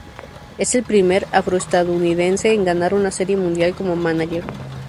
Es el primer afroestadounidense en ganar una Serie Mundial como mánager.